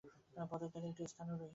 পথের ধারে একটি স্থাণু রহিয়াছে।